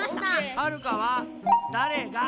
はるかは「だれが」